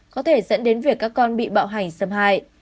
có thể dẫn đến việc các con bị bạo hành xâm hại